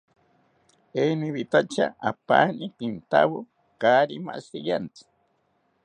Eniwitacha apani kintawo kaari mashiriantzi